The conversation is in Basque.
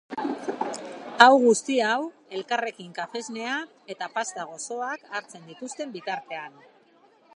Hau guzti hau, elkarrekin kafesnea eta pasta gozoak hartzen dituzten bitartean.